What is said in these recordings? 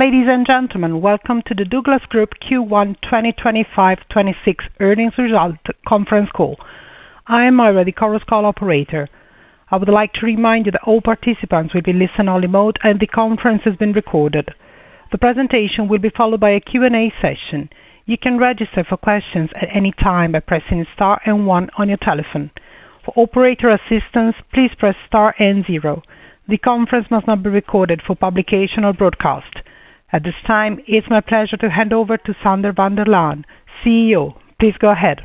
Ladies and gentlemen, welcome to the Douglas Group Q1 2025-2026 Earnings Results Conference Call. I am Mara DiCorruz, call operator. I would like to remind you that all participants will be in listen-only mode, and the conference has been recorded. The presentation will be followed by a Q&A session. You can register for questions at any time by pressing star and one on your telephone. For operator assistance, please press star and zero. The conference must not be recorded for publication or broadcast. At this time, it's my pleasure to hand over to Sander van der Laan, CEO. Please go ahead.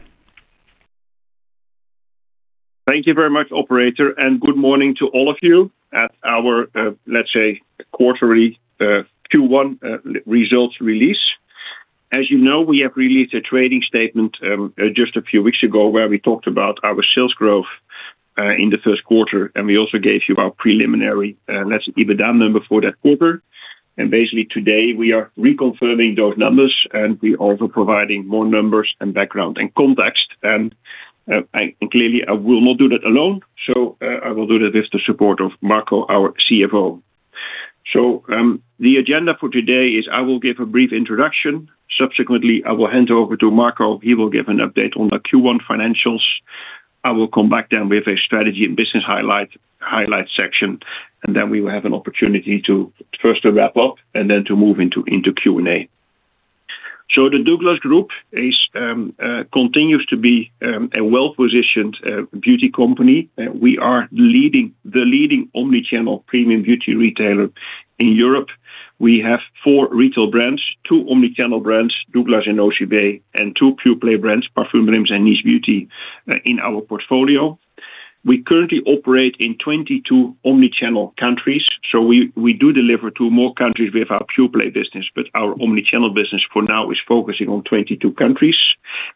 Thank you very much, operator, and good morning to all of you at our, let's say, quarterly Q1 results release. As you know, we have released a trading statement just a few weeks ago where we talked about our sales growth in the first quarter, and we also gave you our preliminary, let's say, EBITDA number for that quarter. Basically today, we are reconfirming those numbers, and we are also providing more numbers and background and context. Clearly, I will not do that alone, so I will do that with the support of Marco, our CFO. The agenda for today is I will give a brief introduction. Subsequently, I will hand over to Marco. He will give an update on the Q1 financials. I will come back then with a strategy and business highlight section, and then we will have an opportunity to first wrap up and then to move into Q&A. So the Douglas Group continues to be a well-positioned beauty company. We are the leading omnichannel premium beauty retailer in Europe. We have four retail brands, two omnichannel brands, Douglas and Nocibé, and two Pureplay brands, Parfumdreams and Niche Beauty, in our portfolio. We currently operate in 22 omnichannel countries, so we do deliver to more countries with our Pureplay business, but our omnichannel business for now is focusing on 22 countries.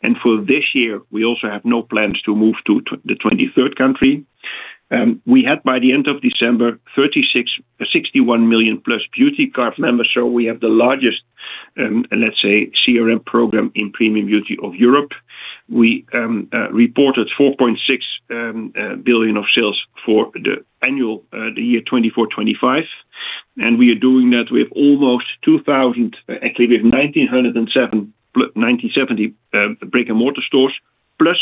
And for this year, we also have no plans to move to the 23rd country. We had, by the end of December, 61 million-plus Beauty Card members, so we have the largest, let's say, CRM program in premium beauty of Europe. We reported 4.6 billion of sales for the year 2024/25, and we are doing that with almost 2,000 actually, with 1,970 brick-and-mortar stores plus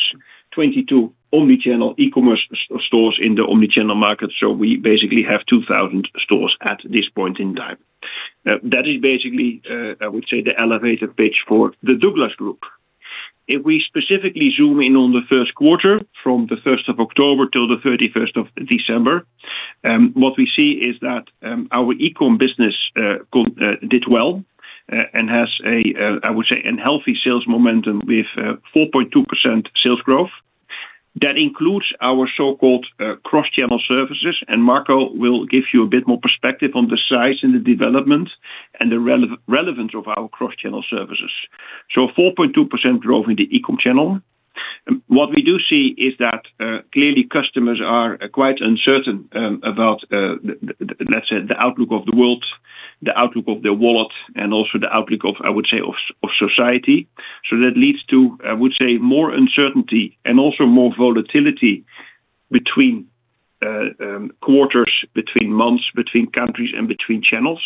22 omnichannel e-commerce stores in the omnichannel market, so we basically have 2,000 stores at this point in time. That is basically, I would say, the elevator pitch for the Douglas Group. If we specifically zoom in on the first quarter, from the 1st of October till the 31st of December, what we see is that our e-commerce business did well and has, I would say, a healthy sales momentum with 4.2% sales growth. That includes our so-called cross-channel services, and Marco will give you a bit more perspective on the size and the development and the relevance of our cross-channel services. So 4.2% growth in the e-commerce channel. What we do see is that clearly customers are quite uncertain about, let's say, the outlook of the world, the outlook of their wallet, and also the outlook of, I would say, of society. So that leads to, I would say, more uncertainty and also more volatility between quarters, between months, between countries, and between channels.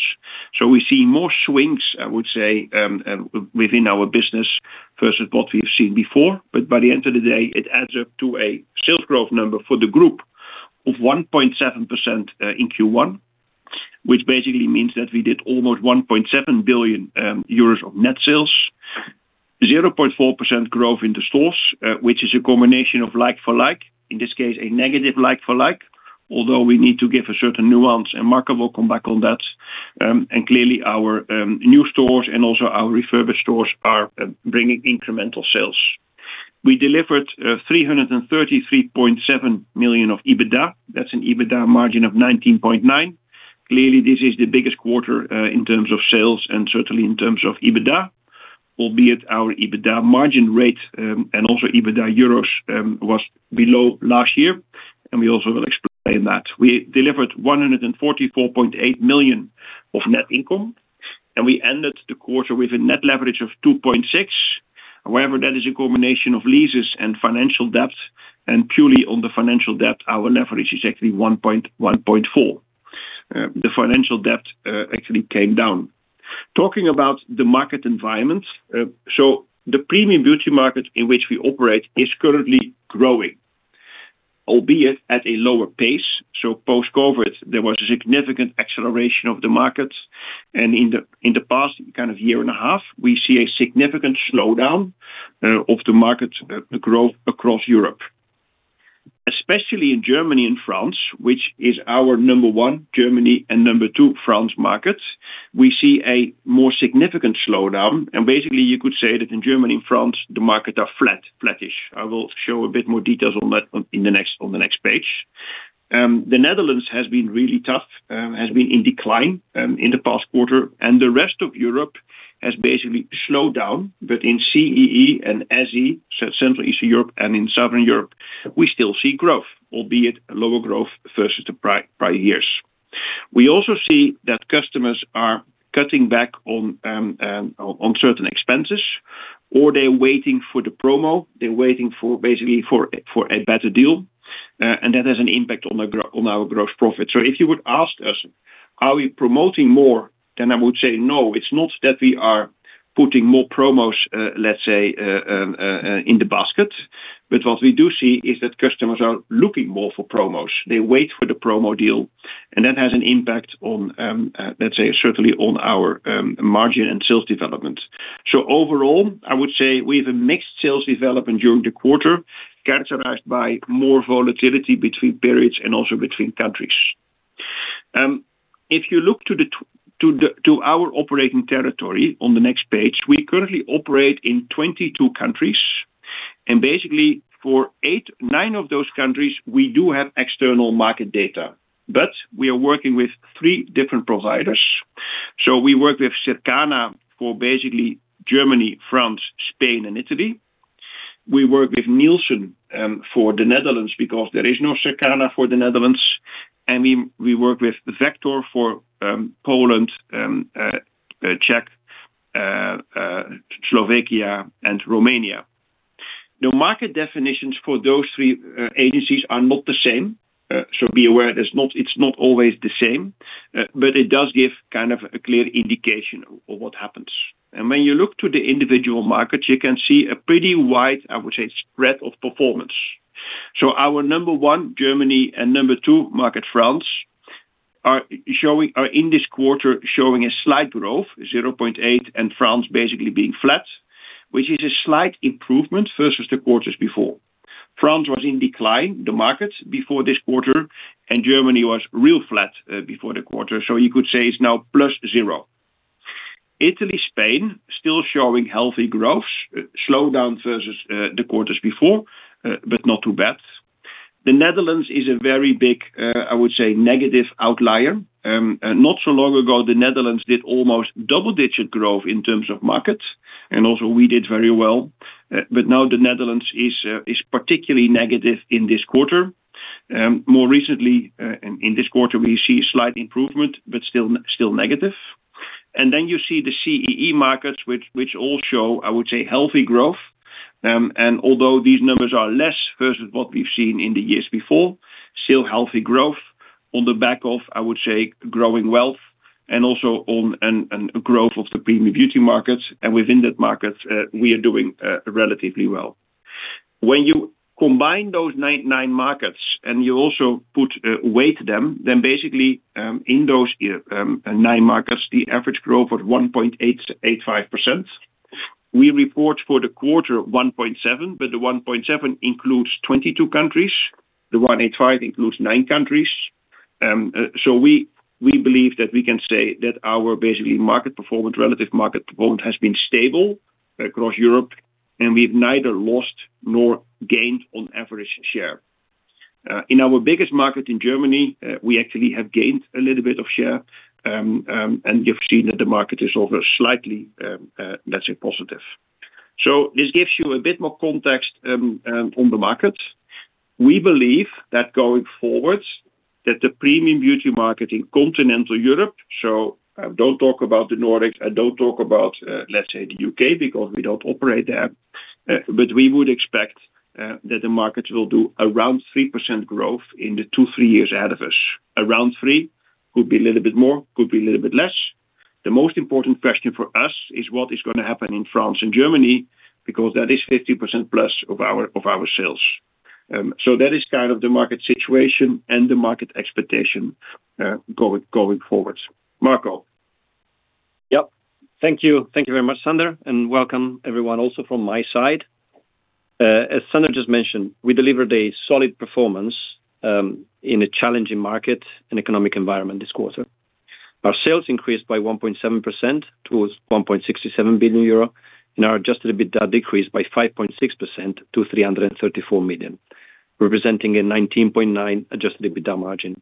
So we see more swings, I would say, within our business versus what we've seen before. But by the end of the day, it adds up to a sales growth number for the group of 1.7% in Q1, which basically means that we did almost 1.7 billion euros of net sales, 0.4% growth in the stores, which is a combination of like-for-like, in this case, a negative like-for-like, although we need to give a certain nuance, and Marco will come back on that. Clearly, our new stores and also our refurbished stores are bringing incremental sales. We delivered 333.7 million of EBITDA. That's an EBITDA margin of 19.9%. Clearly, this is the biggest quarter in terms of sales and certainly in terms of EBITDA, albeit our EBITDA margin rate and also EBITDA euros was below last year, and we also will explain that. We delivered 144.8 million of net income, and we ended the quarter with a net leverage of 2.6. However, that is a combination of leases and financial debt, and purely on the financial debt, our leverage is actually 1.4. The financial debt actually came down. Talking about the market environment, so the premium beauty market in which we operate is currently growing, albeit at a lower pace. So post-COVID, there was a significant acceleration of the market, and in the past kind of year and a half, we see a significant slowdown of the market growth across Europe. Especially in Germany and France, which is our number one, Germany, and number two, France market, we see a more significant slowdown. And basically, you could say that in Germany and France, the markets are flat, flat-ish. I will show a bit more details on that on the next page. The Netherlands has been really tough, has been in decline in the past quarter, and the rest of Europe has basically slowed down. But in CEE and SE, Central Eastern Europe and in Southern Europe, we still see growth, albeit lower growth versus the prior years. We also see that customers are cutting back on certain expenses, or they're waiting for the promo. They're waiting basically for a better deal, and that has an impact on our gross profit. So if you would ask us, "Are we promoting more?" then I would say, "No, it's not that we are putting more promos, let's say, in the basket." But what we do see is that customers are looking more for promos. They wait for the promo deal, and that has an impact, let's say, certainly on our margin and sales development. So overall, I would say we have a mixed sales development during the quarter, characterized by more volatility between periods and also between countries. If you look to our operating territory on the next page, we currently operate in 22 countries. Basically, for nine of those countries, we do have external market data, but we are working with three different providers. So we work with Circana for basically Germany, France, Spain, and Italy. We work with Nielsen for the Netherlands because there is no Circana for the Netherlands. We work with Vector for Poland, Czech, Slovakia, and Romania. The market definitions for those three agencies are not the same, so be aware it's not always the same, but it does give kind of a clear indication of what happens. When you look to the individual markets, you can see a pretty wide, I would say, spread of performance. So our number one, Germany, and number two, market France, are in this quarter showing a slight growth, 0.8, and France basically being flat, which is a slight improvement versus the quarters before. France was in decline, the markets, before this quarter, and Germany was real flat before the quarter, so you could say it's now plus zero. Italy, Spain, still showing healthy growths, slowdown versus the quarters before, but not too bad. The Netherlands is a very big, I would say, negative outlier. Not so long ago, the Netherlands did almost double-digit growth in terms of market, and also we did very well. But now the Netherlands is particularly negative in this quarter. More recently, in this quarter, we see a slight improvement but still negative. And then you see the CEE markets, which all show, I would say, healthy growth. And although these numbers are less versus what we've seen in the years before, still healthy growth on the back of, I would say, growing wealth and also on a growth of the premium beauty markets. And within that market, we are doing relatively well. When you combine those nine markets and you also weight them, then basically in those nine markets, the average growth was 1.85%. We report for the quarter 1.7%, but the 1.7% includes 22 countries. The 1.85% includes nine countries. So we believe that we can say that our basically relative market performance has been stable across Europe, and we've neither lost nor gained on average share. In our biggest market in Germany, we actually have gained a little bit of share, and you've seen that the market is also slightly, let's say, positive. So this gives you a bit more context on the market. We believe that going forward, that the premium beauty market in continental Europe so don't talk about the Nordics. Don't talk about, let's say, the UK because we don't operate there. But we would expect that the markets will do around 3% growth in the 2-3 years ahead of us. Around 3%, could be a little bit more, could be a little bit less. The most important question for us is what is going to happen in France and Germany because that is 50%+ of our sales. So that is kind of the market situation and the market expectation going forward. Marco? Yep. Thank you. Thank you very much, Sander, and welcome everyone also from my side. As Sander just mentioned, we delivered a solid performance in a challenging market and economic environment this quarter. Our sales increased by 1.7% to 1.67 billion euro, and our adjusted EBITDA decreased by 5.6% to 334 million, representing a 19.9% adjusted EBITDA margin.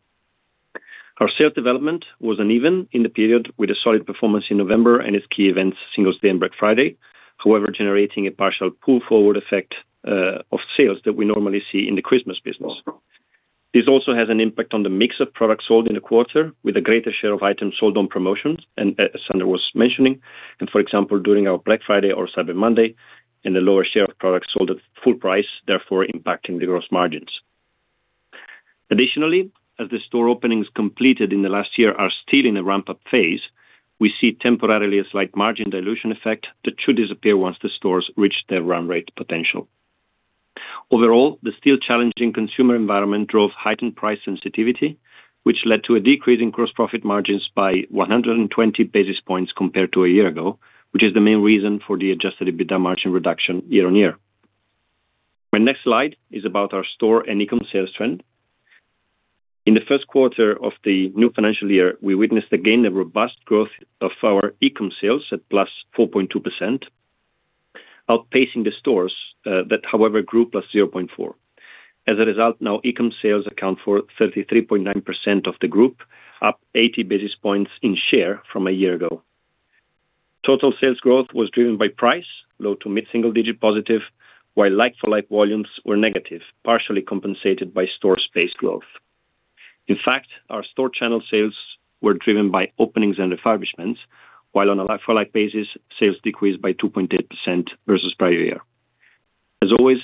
Our sales development was uneven in the period with a solid performance in November and its key events, Singles' Day and Black Friday, however, generating a partial pull forward effect of sales that we normally see in the Christmas business. This also has an impact on the mix of products sold in the quarter with a greater share of items sold on promotions, as Sander was mentioning, and for example, during our Black Friday or Cyber Monday, and a lower share of products sold at full price, therefore impacting the gross margins. Additionally, as the store openings completed in the last year are still in a ramp-up phase, we see temporarily a slight margin dilution effect that should disappear once the stores reach their run rate potential. Overall, the still challenging consumer environment drove heightened price sensitivity, which led to a decrease in gross profit margins by 120 basis points compared to a year ago, which is the main reason for the adjusted EBITDA margin reduction year-on-year. My next slide is about our store and e-commerce sales trend. In the first quarter of the new financial year, we witnessed again the robust growth of our e-commerce sales at +4.2%, outpacing the stores that, however, grew +0.4. As a result, now e-commerce sales account for 33.9% of the group, up 80 basis points in share from a year ago. Total sales growth was driven by price, low- to mid-single-digit positive, while Like-for-Like volumes were negative, partially compensated by store-space growth. In fact, our store channel sales were driven by openings and refurbishments, while on a Like-for-Like basis, sales decreased by 2.8% versus prior year. As always,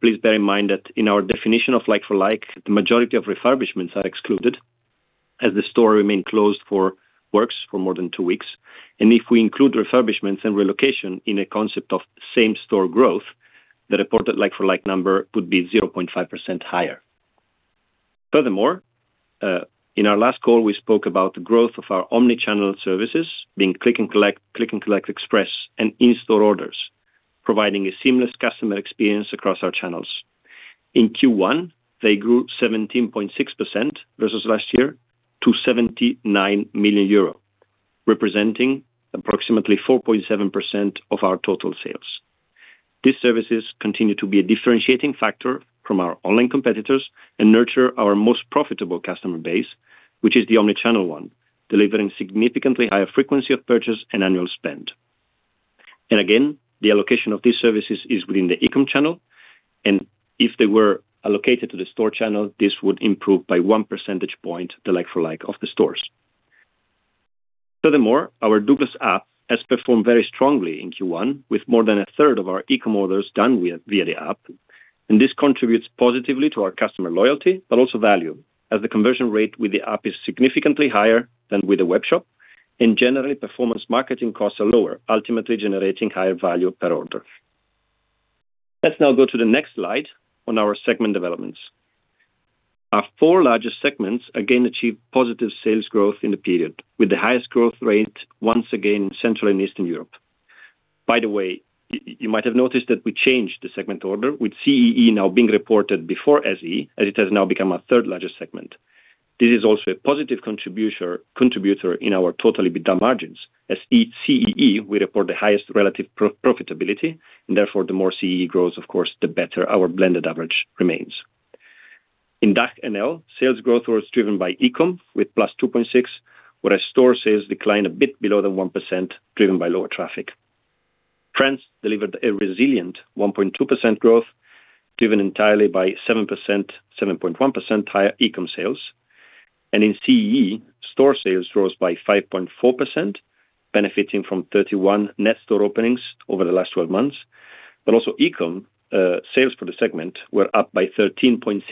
please bear in mind that in our definition of Like-for-Like, the majority of refurbishments are excluded as the store remained closed for works for more than two weeks. And if we include refurbishments and relocation in a concept of same-store growth, the reported Like-for-Like number would be 0.5% higher. Furthermore, in our last call, we spoke about the growth of our Omnichannel services being Click & Collect Express and In-Store Orders, providing a seamless customer experience across our channels. In Q1, they grew 17.6% versus last year to 79 million euro, representing approximately 4.7% of our total sales. These services continue to be a differentiating factor from our online competitors and nurture our most profitable customer base, which is the omnichannel one, delivering significantly higher frequency of purchase and annual spend. Again, the allocation of these services is within the e-commerce channel, and if they were allocated to the store channel, this would improve by one percentage point the like-for-like of the stores. Furthermore, our Douglas App has performed very strongly in Q1, with more than a third of our e-commerce orders done via the app. This contributes positively to our customer loyalty but also value, as the conversion rate with the app is significantly higher than with a webshop, and generally, performance marketing costs are lower, ultimately generating higher value per order. Let's now go to the next slide on our segment developments. Our four largest segments again achieved positive sales growth in the period, with the highest growth rate once again in Central and Eastern Europe. By the way, you might have noticed that we changed the segment order, with CEE now being reported before SE, as it has now become our third largest segment. This is also a positive contributor in our total EBITDA margins, as CEE, we report the highest relative profitability, and therefore, the more CEE grows, of course, the better our blended average remains. In DACH-NL, sales growth was driven by e-commerce with +2.6%, whereas store sales declined a bit below than 1% driven by lower traffic. France delivered a resilient 1.2% growth driven entirely by 7.1% higher e-commerce sales. In CEE, store sales rose by 5.4%, benefiting from 31 net store openings over the last 12 months. But also e-commerce sales for the segment were up by 13.6%,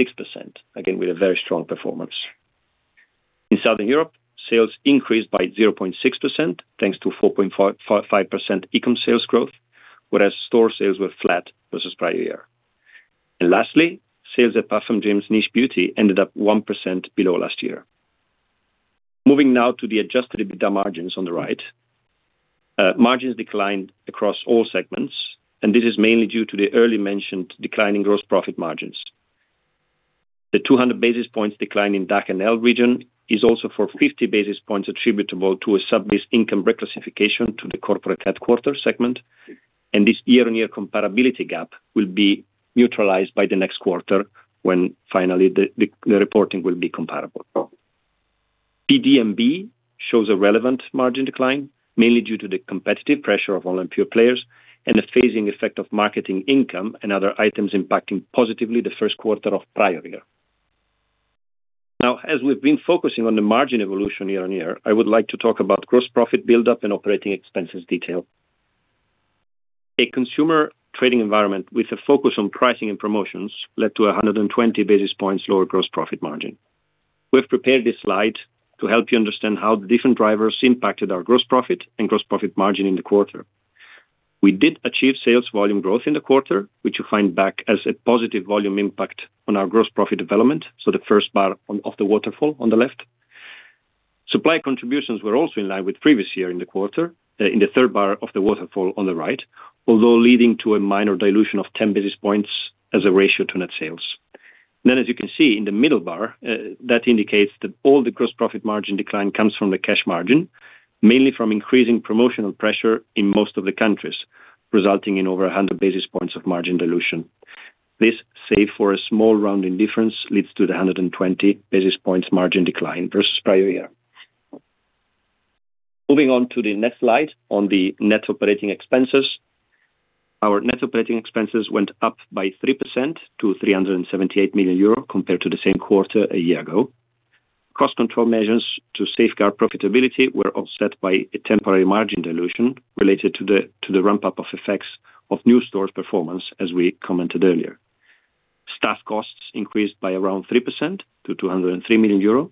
again with a very strong performance. In Southern Europe, sales increased by 0.6% thanks to 4.5% e-commerce sales growth, whereas store sales were flat versus prior year. And lastly, sales at Parfumdreams & Niche Beauty ended up 1% below last year. Moving now to the Adjusted EBITDA margins on the right, margins declined across all segments, and this is mainly due to the early-mentioned declining gross profit margins. The 200 basis points decline in DACH-NL region is also for 50 basis points attributable to a subbase income reclassification to the corporate headquarters segment. And this year-on-year comparability gap will be neutralized by the next quarter when finally the reporting will be comparable. PDNB shows a relevant margin decline, mainly due to the competitive pressure of online pure players and the phasing effect of marketing income and other items impacting positively the first quarter of prior year. Now, as we've been focusing on the margin evolution year-on-year, I would like to talk about gross profit buildup and operating expenses detail. A consumer trading environment with a focus on pricing and promotions led to a 120 basis points lower gross profit margin. We've prepared this slide to help you understand how the different drivers impacted our gross profit and gross profit margin in the quarter. We did achieve sales volume growth in the quarter, which you find back as a positive volume impact on our gross profit development, so the first bar off the waterfall on the left. Supply contributions were also in line with previous year in the quarter, in the third bar of the waterfall on the right, although leading to a minor dilution of 10 basis points as a ratio to net sales. Then, as you can see in the middle bar, that indicates that all the gross profit margin decline comes from the cash margin, mainly from increasing promotional pressure in most of the countries, resulting in over 100 basis points of margin dilution. This, save for a small rounding difference, leads to the 120 basis points margin decline versus prior year. Moving on to the next slide on the net operating expenses. Our net operating expenses went up by 3% to 378 million euro compared to the same quarter a year ago. Cost control measures to safeguard profitability were offset by a temporary margin dilution related to the ramp-up of effects of new stores' performance, as we commented earlier. Staff costs increased by around 3% to 203 million euro,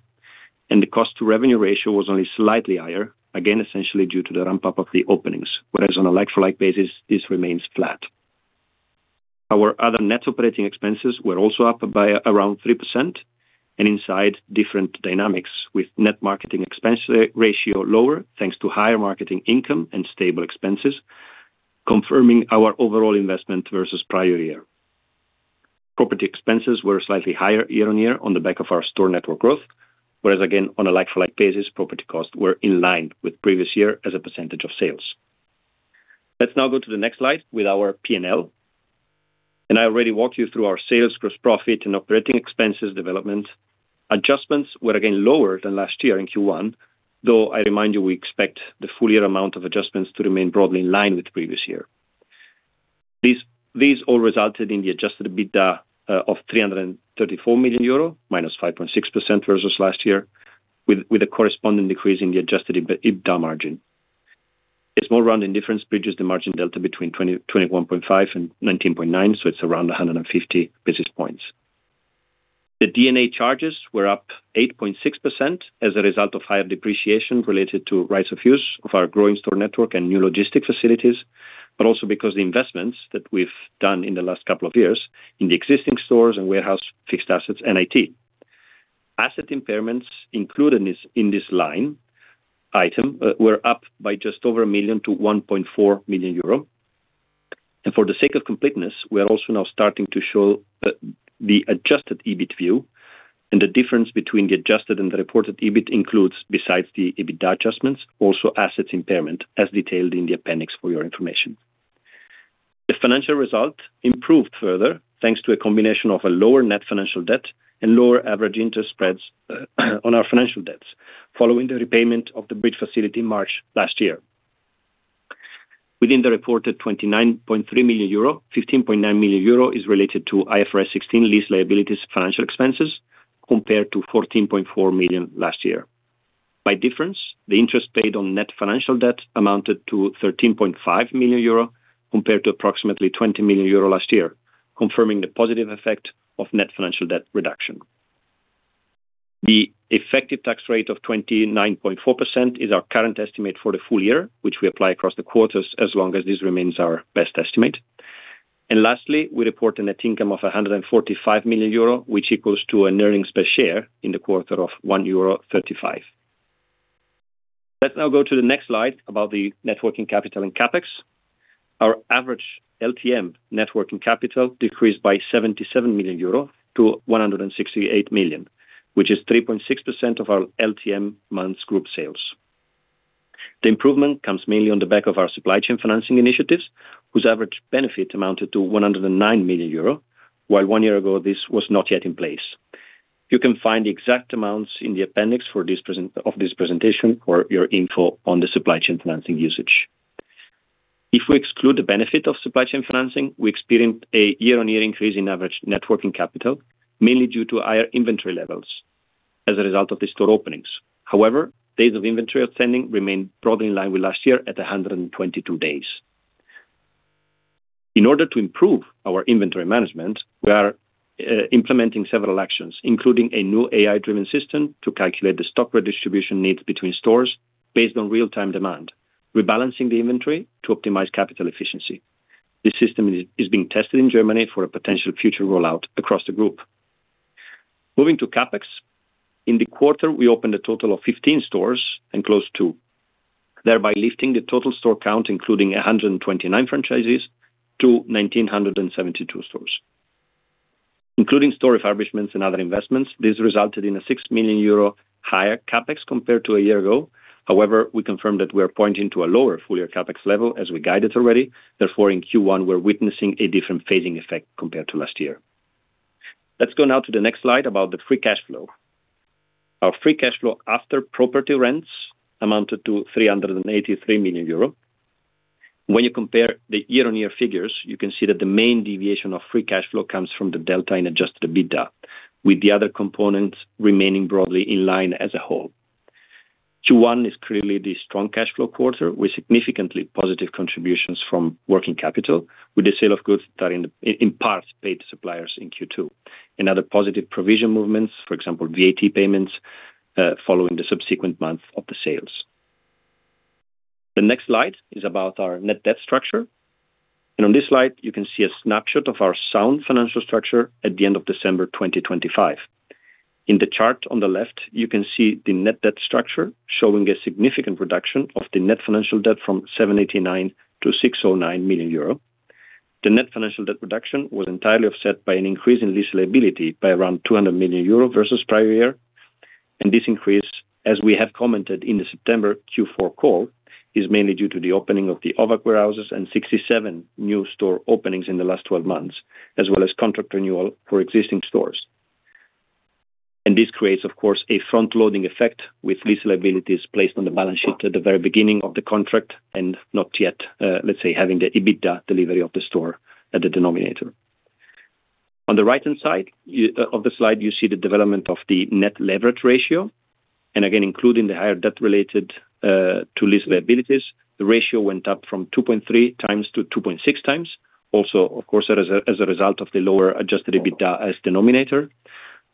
and the cost-to-revenue ratio was only slightly higher, again essentially due to the ramp-up of the openings, whereas on a like-for-like basis, this remains flat. Our other net operating expenses were also up by around 3% and inside different dynamics, with net marketing expense ratio lower thanks to higher marketing income and stable expenses, confirming our overall investment versus prior year. Property expenses were slightly higher year-on-year on the back of our store network growth, whereas again, on a like-for-like basis, property costs were in line with previous year as a percentage of sales. Let's now go to the next slide with our P&L. I already walked you through our sales gross profit and operating expenses development. Adjustments were again lower than last year in Q1, though I remind you we expect the full-year amount of adjustments to remain broadly in line with previous year. These all resulted in the Adjusted EBITDA of 334 million euro, -5.6% versus last year, with a corresponding decrease in the Adjusted EBITDA margin. A small rounding difference bridges the margin delta between 21.5% and 19.9%, so it's around 150 basis points. The D&A charges were up +8.6% as a result of higher depreciation related to Rights of Use of our growing store network and new logistics facilities, but also because of the investments that we've done in the last couple of years in the existing stores and warehouse fixed assets and IT. Asset impairments included in this line item were up by just over 1 million to 1.4 million euro. For the sake of completeness, we are also now starting to show the adjusted EBIT view. The difference between the adjusted and the reported EBIT includes, besides the EBITDA adjustments, also asset impairment, as detailed in the appendix for your information. The financial result improved further thanks to a combination of a lower net financial debt and lower average interest spreads on our financial debts, following the repayment of the bridge facility in March last year. Within the reported 29.3 million euro, 15.9 million euro is related to IFRS 16 lease liabilities financial expenses compared to 14.4 million last year. By difference, the interest paid on net financial debt amounted to 13.5 million euro compared to approximately 20 million euro last year, confirming the positive effect of net financial debt reduction. The effective tax rate of 29.4% is our current estimate for the full year, which we apply across the quarters as long as this remains our best estimate. Lastly, we report a net income of 145 million euro, which equals to a earnings per share in the quarter of 1.35 euro. Let's now go to the next slide about the net working capital and CapEx. Our average LTM net working capital decreased by 77 million euro to 168 million, which is 3.6% of our LTM month's group sales. The improvement comes mainly on the back of our supply chain financing initiatives, whose average benefit amounted to 109 million euro, while one year ago, this was not yet in place. You can find the exact amounts in the appendix of this presentation for your info on the Supply Chain Financing usage. If we exclude the benefit of Supply Chain Financing, we experience a year-on-year increase in average Net Working Capital, mainly due to higher inventory levels as a result of the store openings. However, days of inventory outstanding remain broadly in line with last year at 122 days. In order to improve our inventory management, we are implementing several actions, including a new AI-driven system to calculate the stock redistribution needs between stores based on real-time demand, rebalancing the inventory to optimize capital efficiency. This system is being tested in Germany for a potential future rollout across the group. Moving to Capex, in the quarter, we opened a total of 15 stores and closed 2, thereby lifting the total store count, including 129 franchises, to 1,972 stores. Including store refurbishments and other investments, this resulted in a 6 million euro higher CapEx compared to a year ago. However, we confirm that we are pointing to a lower full-year CapEx level, as we guided already. Therefore, in Q1, we're witnessing a different phasing effect compared to last year. Let's go now to the next slide about the Free Cash Flow. Our Free Cash Flow after property rents amounted to 383 million euro. When you compare the year-on-year figures, you can see that the main deviation of Free Cash Flow comes from the delta in Adjusted EBITDA, with the other components remaining broadly in line as a whole. Q1 is clearly the strong cash flow quarter with significantly positive contributions from working capital, with the sale of goods that are in part paid to suppliers in Q2 and other positive provision movements, for example, VAT payments following the subsequent month of the sales. The next slide is about our net debt structure. On this slide, you can see a snapshot of our sound financial structure at the end of December 2025. In the chart on the left, you can see the net debt structure showing a significant reduction of the net financial debt from 789 million euro to 609 million euro. The net financial debt reduction was entirely offset by an increase in lease liability by around 200 million euro versus prior year. This increase, as we have commented in the September Q4 call, is mainly due to the opening of the OWC warehouses and 67 new store openings in the last 12 months, as well as contract renewal for existing stores. And this creates, of course, a front-loading effect with lease liabilities placed on the balance sheet at the very beginning of the contract and not yet, let's say, having the EBITDA delivery of the store at the denominator. On the right-hand side of the slide, you see the development of the net leverage ratio. And again, including the higher debt related to lease liabilities, the ratio went up from 2.3x to 2.6x, also, of course, as a result of the lower adjusted EBITDA as denominator.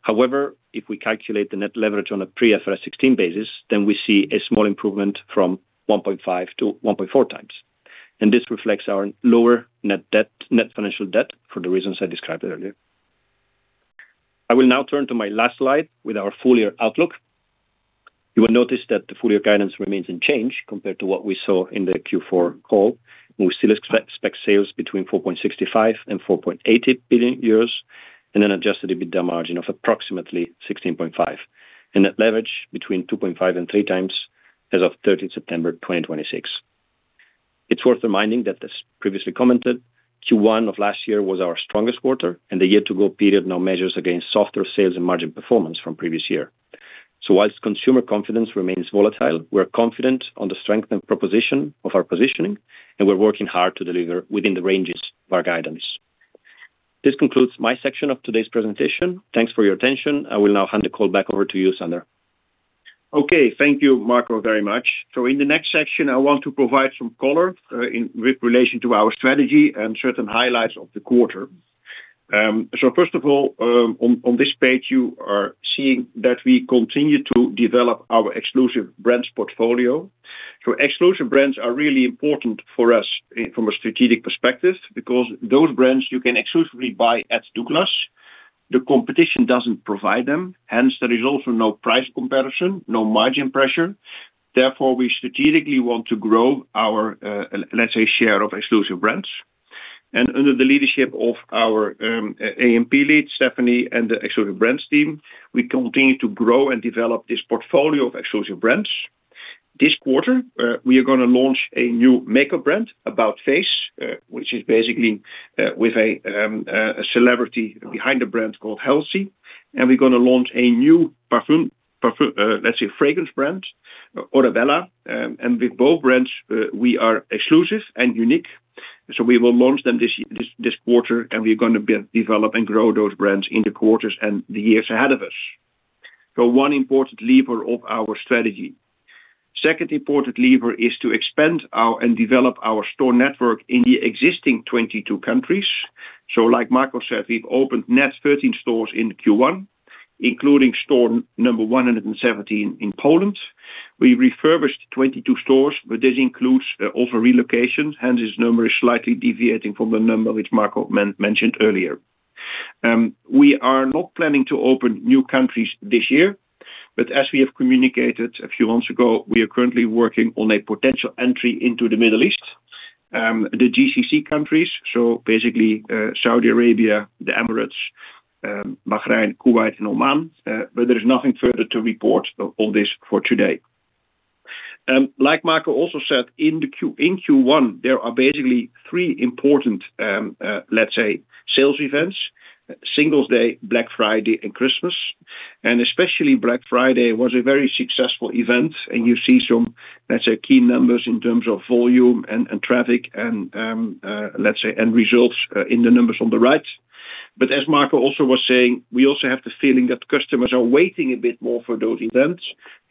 However, if we calculate the net leverage on a pre-IFRS 16 basis, then we see a small improvement from 1.5x to 1.4x. This reflects our lower net financial debt for the reasons I described earlier. I will now turn to my last slide with our full-year outlook. You will notice that the full-year guidance remains unchanged compared to what we saw in the Q4 call. We still expect sales between 4.65 billion and 4.80 billion euros and an adjusted EBITDA margin of approximately 16.5% and a leverage between 2.5x and 3x as of 30 September 2026. It's worth reminding that, as previously commented, Q1 of last year was our strongest quarter, and the year-to-go period now measures against softer sales and margin performance from previous year. So while consumer confidence remains volatile, we're confident on the strength and proposition of our positioning, and we're working hard to deliver within the ranges of our guidelines. This concludes my section of today's presentation. Thanks for your attention. I will now hand the call back over to you, Sander. Okay. Thank you, Marco, very much. So in the next section, I want to provide some color with relation to our strategy and certain highlights of the quarter. So first of all, on this page, you are seeing that we continue to develop our exclusive brands portfolio. So exclusive brands are really important for us from a strategic perspective because those brands, you can exclusively buy at Douglas. The competition doesn't provide them. Hence, there is also no price comparison, no margin pressure. Therefore, we strategically want to grow our, let's say, share of exclusive brands. And under the leadership of our A&P lead, Stephanie, and the exclusive brands team, we continue to grow and develop this portfolio of exclusive brands. This quarter, we are going to launch a new makeup brand About-Face, which is basically with a celebrity behind the brand called Halsey. And we're going to launch a new parfum, let's say, fragrance brand, Orebella. And with both brands, we are exclusive and unique. So we will launch them this quarter, and we're going to develop and grow those brands in the quarters and the years ahead of us. So one important lever of our strategy. Second important lever is to expand and develop our store network in the existing 22 countries. So like Marco said, we've opened net 13 stores in Q1, including store number 117 in Poland. We refurbished 22 stores, but this includes also relocation. Hence, its number is slightly deviating from the number which Marco mentioned earlier. We are not planning to open new countries this year. But as we have communicated a few months ago, we are currently working on a potential entry into the Middle East, the GCC countries, so basically Saudi Arabia, the Emirates, Bahrain, Kuwait, and Oman. But there is nothing further to report on this for today. Like Marco also said, in Q1, there are basically three important, let's say, sales events: Singles' Day, Black Friday, and Christmas. And especially Black Friday was a very successful event. And you see some, let's say, key numbers in terms of volume and traffic and, let's say, results in the numbers on the right. But as Marco also was saying, we also have the feeling that customers are waiting a bit more for those events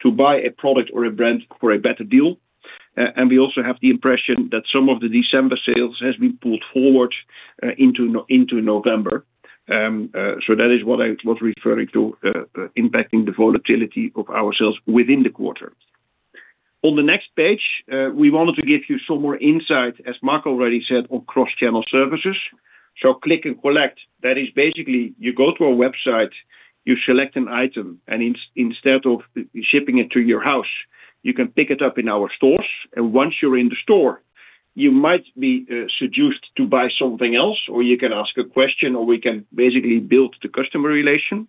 to buy a product or a brand for a better deal. And we also have the impression that some of the December sales have been pulled forward into November. So that is what I was referring to, impacting the volatility of our sales within the quarter. On the next page, we wanted to give you some more insight, as Marco already said, on cross-channel services. So Click and Collect. That is basically you go to our website, you select an item, and instead of shipping it to your house, you can pick it up in our stores. And once you're in the store, you might be seduced to buy something else, or you can ask a question, or we can basically build the customer relation.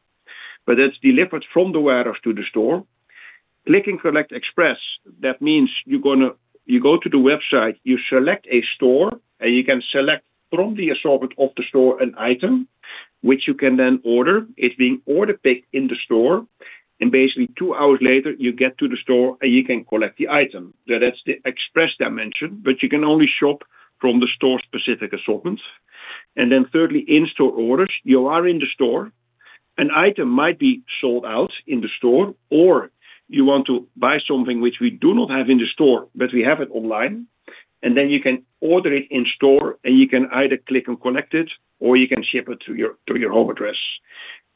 But that's delivered from the warehouse to the store. Click and Collect Express, that means you go to the website, you select a store, and you can select from the assortment of the store an item, which you can then order. It's being order picked in the store. Basically, two hours later, you get to the store, and you can collect the item. That's the express dimension, but you can only shop from the store-specific assortment. Then thirdly, in-store orders. You are in the store. An item might be sold out in the store, or you want to buy something which we do not have in the store, but we have it online. Then you can order it in store, and you can either Click & Collect it, or you can ship it to your home address.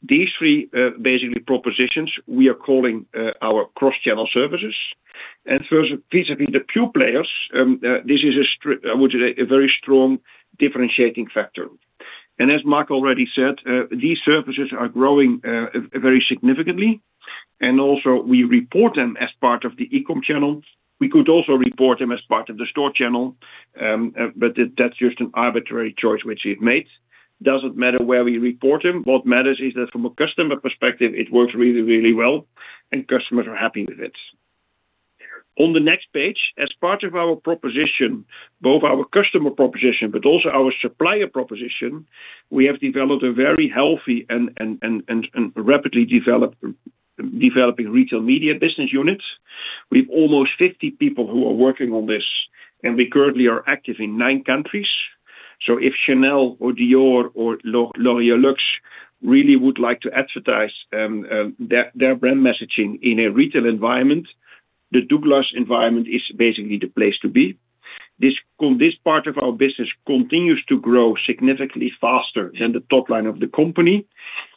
These three basic propositions we are calling our Cross-Channel Services. First, vis-à-vis the pure players, this is, I would say, a very strong differentiating factor. And as Marco already said, these services are growing very significantly. Also, we report them as part of the e-com channel. We could also report them as part of the store channel, but that's just an arbitrary choice which he had made. Doesn't matter where we report them. What matters is that from a customer perspective, it works really, really well, and customers are happy with it. On the next page, as part of our proposition, both our customer proposition but also our supplier proposition, we have developed a very healthy and rapidly developing Retail Media business unit. We have almost 50 people who are working on this, and we currently are active in 9 countries. So if Chanel or Dior or L'Oréal Luxe really would like to advertise their brand messaging in a retail environment, the Douglas environment is basically the place to be. This part of our business continues to grow significantly faster than the top line of the company.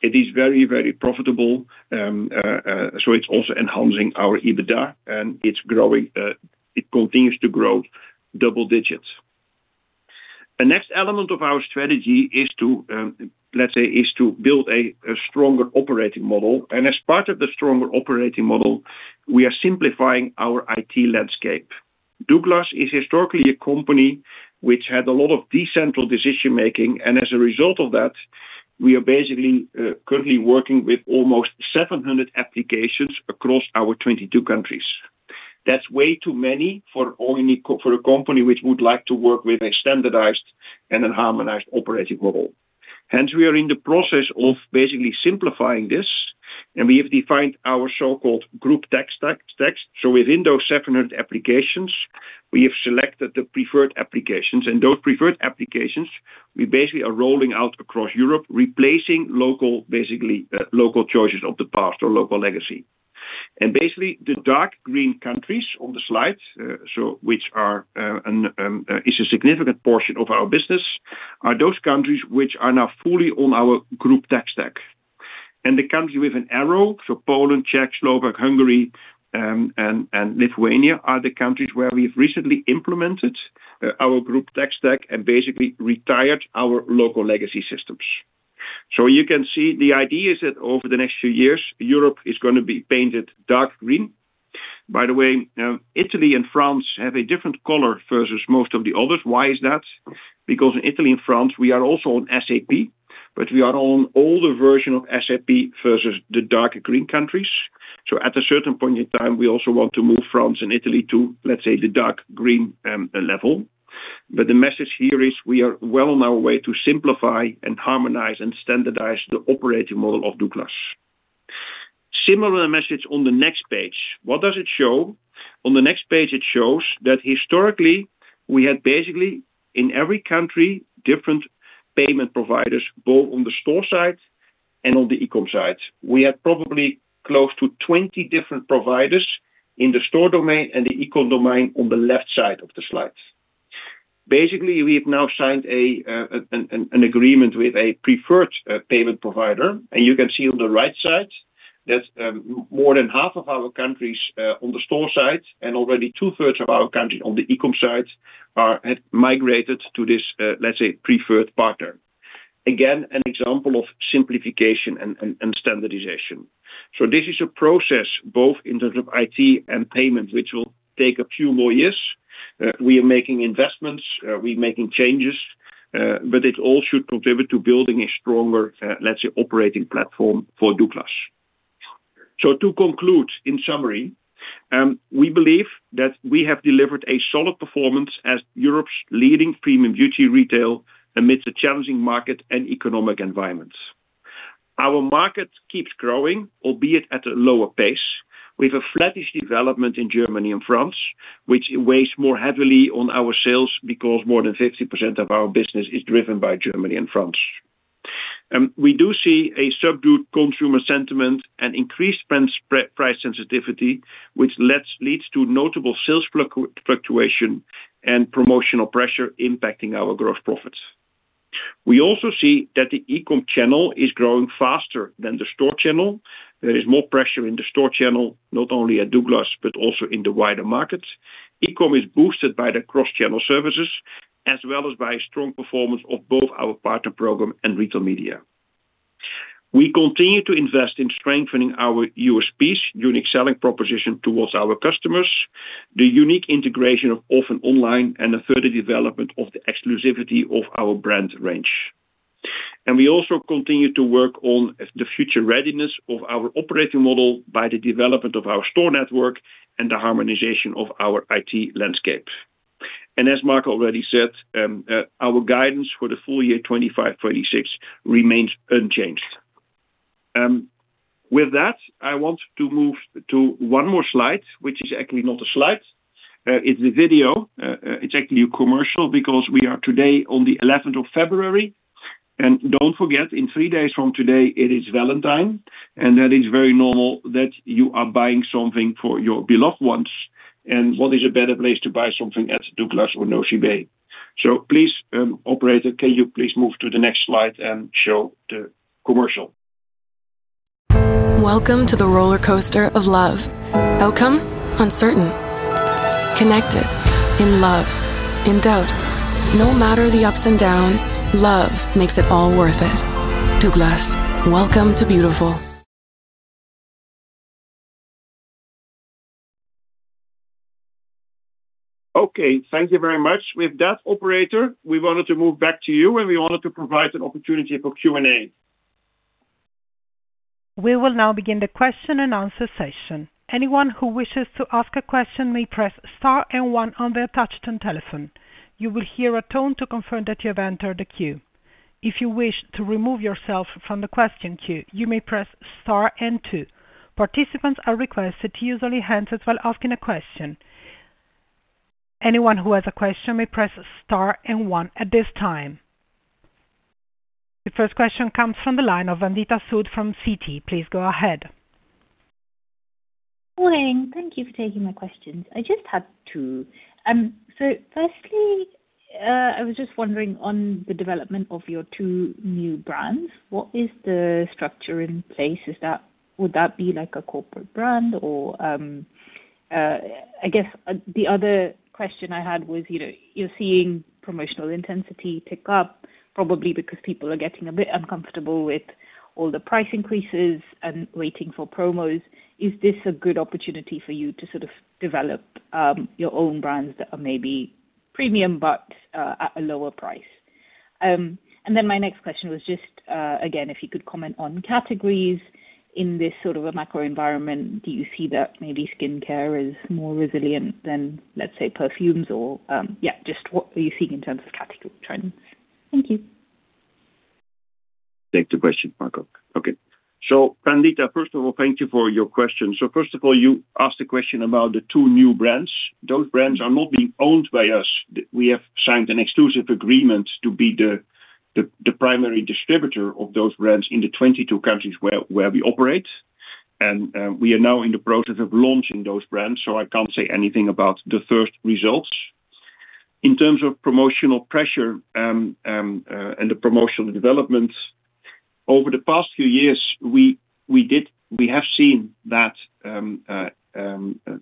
It is very, very profitable. So it's also enhancing our EBITDA, and it continues to grow double digits. A next element of our strategy is to, let's say, build a stronger operating model. As part of the stronger operating model, we are simplifying our IT landscape. Douglas is historically a company which had a lot of decentralized decision-making. As a result of that, we are basically currently working with almost 700 applications across our 22 countries. That's way too many for a company which would like to work with a standardized and a harmonized operating model. Hence, we are in the process of basically simplifying this. We have defined our so-called group tech stack. So within those 700 applications, we have selected the preferred applications. Those preferred applications, we basically are rolling out across Europe, replacing basically local choices of the past or local legacy. Basically, the dark green countries on the slide, which is a significant portion of our business, are those countries which are now fully on our group tech stack. And the countries with an arrow, so Poland, Czechia, Slovakia, Hungary, and Lithuania, are the countries where we have recently implemented our group tech stack and basically retired our local legacy systems. So you can see the idea is that over the next few years, Europe is going to be painted dark green. By the way, Italy and France have a different color versus most of the others. Why is that? Because in Italy and France, we are also on SAP, but we are on older version of SAP versus the darker green countries. So at a certain point in time, we also want to move France and Italy to, let's say, the dark green level. The message here is we are well on our way to simplify and harmonize and standardize the operating model of Douglas. Similar message on the next page. What does it show? On the next page, it shows that historically, we had basically in every country different payment providers, both on the store side and on the e-comm side. We had probably close to 20 different providers in the store domain and the e-comm domain on the left side of the slide. Basically, we have now signed an agreement with a preferred payment provider. You can see on the right side that more than half of our countries on the store side and already two-thirds of our countries on the e-comm side have migrated to this, let's say, preferred partner. Again, an example of simplification and standardization. So this is a process both in terms of IT and payment which will take a few more years. We are making investments. We are making changes. But it all should contribute to building a stronger, let's say, operating platform for Douglas. So to conclude, in summary, we believe that we have delivered a solid performance as Europe's leading premium beauty retail amidst a challenging market and economic environment. Our market keeps growing, albeit at a lower pace. We have a flattish development in Germany and France, which weighs more heavily on our sales because more than 50% of our business is driven by Germany and France. We do see a subdued consumer sentiment and increased price sensitivity, which leads to notable sales fluctuation and promotional pressure impacting our gross profits. We also see that the e-comm channel is growing faster than the store channel. There is more pressure in the store channel, not only at Douglas but also in the wider market. E-comm is boosted by the cross-channel services as well as by a strong performance of both our partner program and retail media. We continue to invest in strengthening our USPs, unique selling proposition towards our customers, the unique integration of often online, and a further development of the exclusivity of our brand range. And we also continue to work on the future readiness of our operating model by the development of our store network and the harmonization of our IT landscape. And as Marco already said, our guidance for the full year 2025-2026 remains unchanged. With that, I want to move to one more slide, which is actually not a slide. It's a video. It's actually a commercial because we are today on the 11th of February. Don't forget, in three days from today, it is Valentine. That is very normal that you are buying something for your beloved ones. What is a better place to buy something at Douglas or Nocibé? So please, operator, can you please move to the next slide and show the commercial? Welcome to the roller coaster of love. Outcome uncertain. Connected in love, in doubt. No matter the ups and downs, love makes it all worth it. Douglas, welcome to beautiful. Okay. Thank you very much. With that, operator, we wanted to move back to you, and we wanted to provide an opportunity for Q&A. We will now begin the question-and-answer session. Anyone who wishes to ask a question may press star and one on their touch-tone telephone. You will hear a tone to confirm that you have entered the queue. If you wish to remove yourself from the question queue, you may press star and two. Participants are requested to use only handsets while asking a question. Anyone who has a question may press star and one at this time. The first question comes from the line of Vandita Sood from Citi. Please go ahead. Morning. Thank you for taking my questions. I just had two. So firstly, I was just wondering on the development of your two new brands. What is the structure in place? Would that be like a corporate brand? Or I guess the other question I had was you're seeing promotional intensity pick up, probably because people are getting a bit uncomfortable with all the price increases and waiting for promos. Is this a good opportunity for you to sort of develop your own brands that are maybe premium but at a lower price? And then my next question was just, again, if you could comment on categories in this sort of a macro environment, do you see that maybe skincare is more resilient than, let's say, perfumes? Or yeah, just what are you seeing in terms of category trends? Thank you. Thank you for the question, Marco. Okay. So Vandita, first of all, thank you for your question. So first of all, you asked a question about the two new brands. Those brands are not being owned by us. We have signed an exclusive agreement to be the primary distributor of those brands in the 22 countries where we operate. And we are now in the process of launching those brands, so I can't say anything about the first results. In terms of promotional pressure and the promotional development, over the past few years, we have seen that